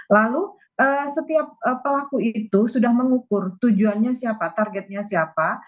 lalu setiap pelaku itu sudah mengukur tujuannya siapa targetnya siapa